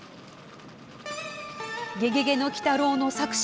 「ゲゲケの鬼太郎」の作者